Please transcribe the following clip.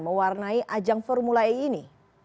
mewarnai ajang formula e ini